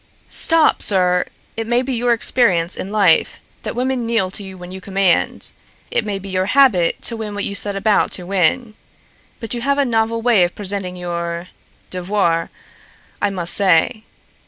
"Stop, sir! It may be your experience in life that women kneel to you when you command. It may be your habit to win what you set about to win. But you have a novel way of presenting your devoire, I must say.